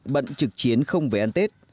bận trực chiến không về ăn tết